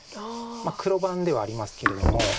黒番ではありますけれども。